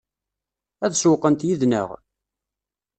Ad sewwqent yid-neɣ?